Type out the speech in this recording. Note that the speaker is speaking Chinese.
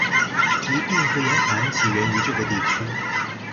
疾病和严寒起源于这个地区。